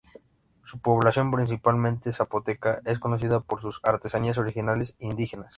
Su población, principalmente zapoteca, es conocida por sus artesanías originales indígenas.